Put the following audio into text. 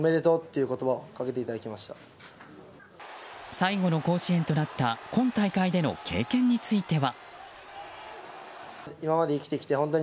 最後の甲子園となった今大会での経験については。